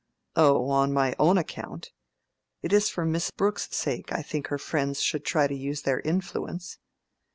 "Oh, on my own account—it is for Miss Brooke's sake I think her friends should try to use their influence."